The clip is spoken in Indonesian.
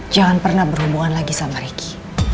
jangan pernah berhubungan lagi sama ricky